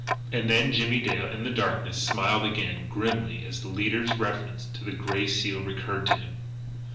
And then Jimmie Dale, in the darkness, smiled again grimly as the leader's reference to the Gray Seal recurred to him.